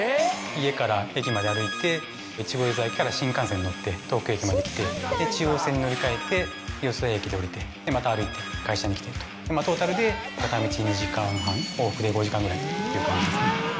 家から駅まで歩いて越後湯沢駅から新幹線に乗って東京駅まで来て中央線に乗り換えて四ツ谷駅で降りてまた歩いて会社に来てるとトータルで片道２時間半往復で５時間ぐらいという感じですね